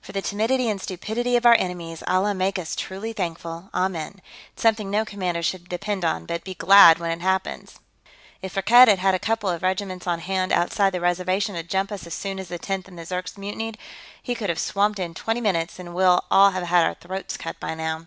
"For the timidity and stupidity of our enemies, Allah make us truly thankful, amen. It's something no commander should depend on, but be glad when it happens. If Firkked had had a couple of regiments on hand outside the reservation to jump us as soon as the Tenth and the Zirks mutinied, he could have swamped us in twenty minutes and we'll all have had our throats cut by now."